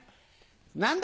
何だ？